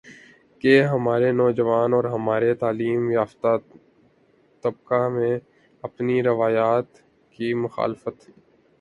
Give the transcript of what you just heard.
کہ ہمارے نوجوانوں اور ہمارے تعلیم یافتہ طبقہ میں اپنی روایات کی مخالفت